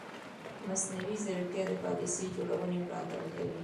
مصنوعي ځیرکتیا د پالیسي جوړونې ملاتړ کوي.